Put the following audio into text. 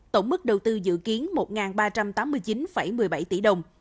tổng mức đầu tư dự kiến một ba trăm tám mươi chín một mươi bảy tỷ đồng